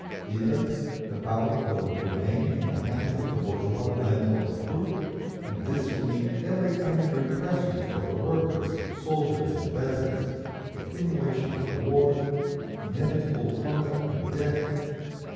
Either—the power will remain in the hands of the bourgeois landlord crew, and this will mean every kind of repression for the workers, soldiers and peasants, continuation of the war, inevitable hunger and death….